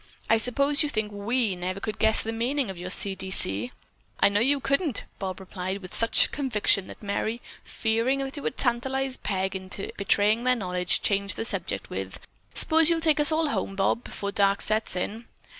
"I suppose you think we never could guess the meaning of your 'C. D. C.'" "I know you couldn't," Bob replied with such conviction that Merry, fearing it would tantalize Peg into betraying their knowledge, changed the subject with: "S'pose you'll take us all home, Bob, before dark sets in."